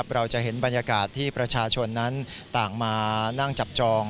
เราจะเห็นบรรยากาศที่ประชาชนนั้นต่างมานั่งจับจอง